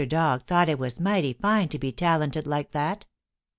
Dog thought it was mighty fine to be talented like that.